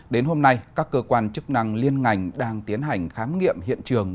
đến hôm nay các cơ quan chức năng liên ngành đang tiến hành khám nghiệm hiện trường